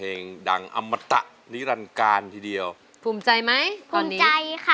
ร้องได้ให้ร้านรับแล้วค่ะรับแล้วรับแล้วรับแล้ว